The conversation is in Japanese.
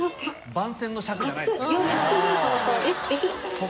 番宣の尺じゃないですねこれ。